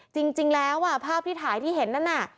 จริงแล้วภาพที่ถ่ายที่เห็นนั่นน่ะ